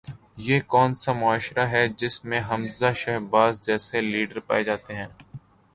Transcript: یہ کون سا معاشرہ ہے جس میں حمزہ شہباز جیسے لیڈر پائے جاتے ہیں؟